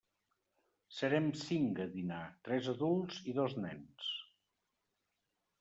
Serem cinc a dinar, tres adults i dos nens.